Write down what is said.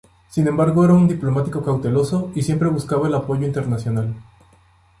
Sin embargo era un diplomático cauteloso y siempre buscaba el apoyo internacional.